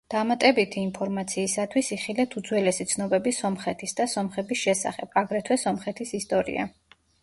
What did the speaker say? დამატებითი ინფორმაციისათვის იხილეთ უძველესი ცნობები სომხეთის და სომხების შესახებ, აგრეთვე, სომხეთის ისტორია.